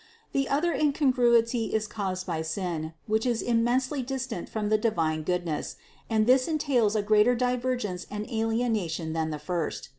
The other incongruity is caused by sin, which is immensely distant from the divine goodness, and this entails a greater divergence and alienation than the first.